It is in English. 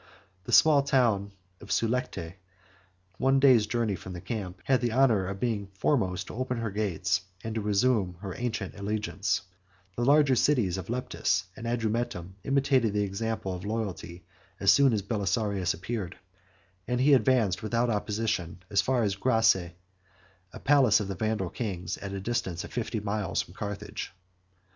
The small town of Sullecte, 17 one day's journey from the camp, had the honor of being foremost to open her gates, and to resume her ancient allegiance: the larger cities of Leptis and Adrumetum imitated the example of loyalty as soon as Belisarius appeared; and he advanced without opposition as far as Grasse, a palace of the Vandal kings, at the distance of fifty miles from Carthage.